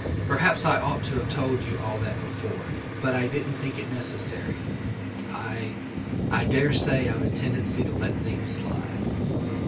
Perhaps I ought to have told you all that before, but I didn't think it necessary. I I dare say I've a tendency to let things slide."